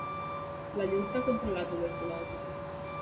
La lluita contra la tuberculosi.